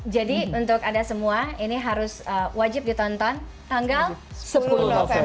jadi untuk ada semua ini harus wajib ditonton tanggal sepuluh november